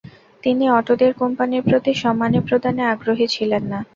তিনি অটোদের কোম্পানির প্রতি সম্মানী প্রদানে আগ্রহী ছিলেন না।